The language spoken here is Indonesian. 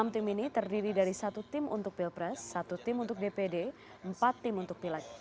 enam tim ini terdiri dari satu tim untuk pilpres satu tim untuk dpd empat tim untuk pileg